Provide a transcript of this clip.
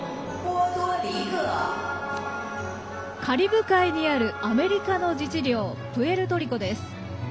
カリブ海にあるアメリカの自治領プエルトリコ。